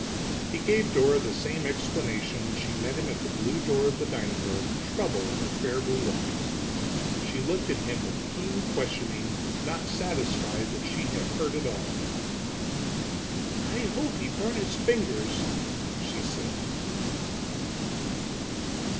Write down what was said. He gave Dora the same explanation when she met him at the blue door of the dining room, trouble in her fair blue eyes. She looked at him with keen questioning, not satisfied that she had heard it all. "I hope he burnt his fingers," she said.